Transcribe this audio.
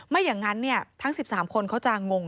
ไม่อย่างนั้นทั้ง๑๓คนเขาจะงง